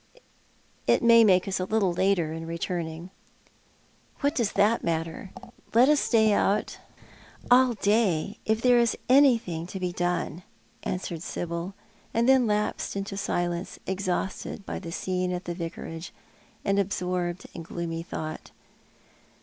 "It may make us a little later in returning." " What does that matter? Let us stay out all day if there is anything to be done," answered Sibyl, and then lapsed into silence, exhausted by the scene at the Vicarage, d'nd absorbed in gloomy thought.